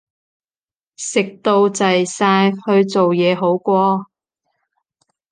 食到滯晒，去做嘢好過